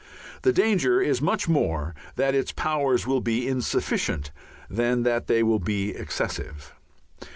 The danger is much more that its powers will be insufficient than that they will be excessive.